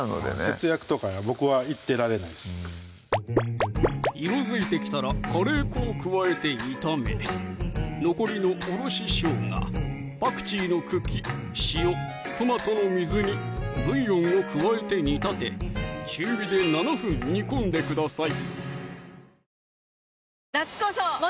節約とか僕は言ってられないです色づいてきたらカレー粉を加えて炒め残りのおろししょうが・パクチーの茎・塩・トマトの水煮・ブイヨンを加えて煮立て中火で７分煮込んでください